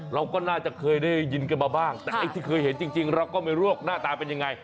เราก็น่าจะเคยได้ยินกันมาบ้างแต่ไอ้ที่เคยเห็นจริงเราก็ไม่รู้ว่าหน้าตาเป็นยังไง